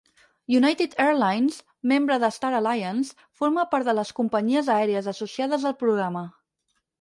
United Airlines, membre de Star Alliance, forma part de les companyies aèries associades al programa.